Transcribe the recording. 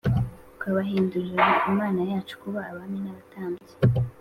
ukabahindurira Imana yacu kuba abami n’abatambyi,